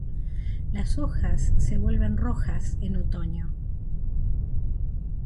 Las hojas se vuelven rojas en otoño.